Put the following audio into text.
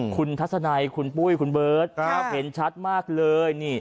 คุณทัศนัยคุณปุ้ยคุณเบิร์ตเห็นชัดมากเลย